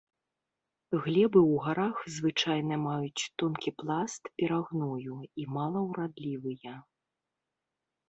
Глебы ў гарах звычайна маюць тонкі пласт перагною і малаўрадлівыя.